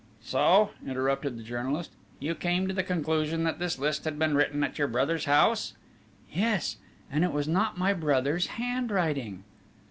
"So," interrupted the journalist, "you came to the conclusion that this list had been written at your brother's house?" "Yes, and it was not my brother's handwriting."